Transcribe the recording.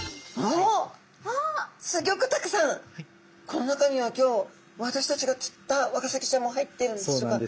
この中には今日私たちが釣ったワカサギちゃんも入ってるんでしょうか。